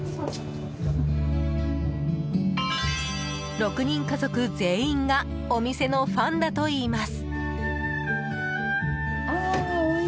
６人家族全員がお店のファンだといいます。